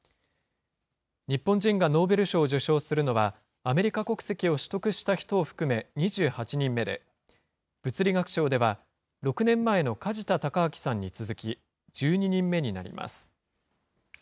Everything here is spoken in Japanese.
日本人がノーベル賞を受賞するのは、アメリカ国籍を取得した人を含め２８人目で、物理学賞では、６年前の梶田隆章さんに続き、１２人目になります。